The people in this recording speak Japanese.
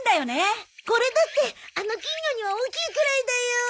これだってあの金魚には大きいくらいだよ。